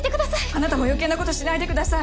あなたも余計なことしないでください。